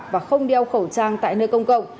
và không đeo khẩu trang tại nơi công cộng